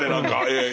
ええ。